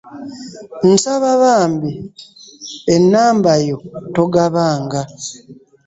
Nsaba bambi ennamba yo togabanga.